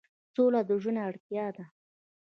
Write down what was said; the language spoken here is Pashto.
سوله د ژوند اړتیا ده